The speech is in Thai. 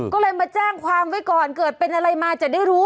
ก็เลยมาแจ้งความไว้ก่อนเกิดเป็นอะไรมาจะได้รู้